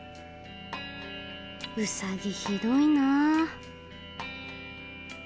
ウサギひどいな。